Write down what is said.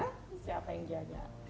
kalau bukan kita siapa yang jaga